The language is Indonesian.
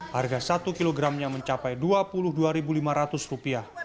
harga satu kilogramnya mencapai rp dua puluh dua lima ratus